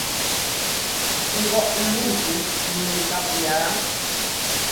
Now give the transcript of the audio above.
Ŋgɔʼ luŋ ku nǔu ŋkáp yaa?